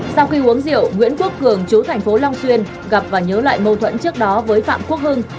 sau khi uống rượu nguyễn quốc cường chú thành phố long xuyên gặp và nhớ lại mâu thuẫn trước đó với phạm quốc hưng